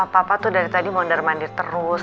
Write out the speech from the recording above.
papa tuh dari tadi mondar mandir terus